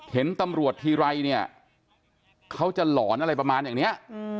เห็นตำรวจทีไรเนี่ยเขาจะหลอนอะไรประมาณอย่างนี้